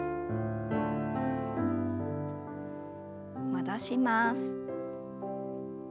戻します。